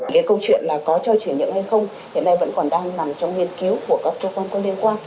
câu chuyện là có cho chuyển nhượng hay không hiện nay vẫn còn đang nằm trong nghiên cứu của các cơ quan quân liên quan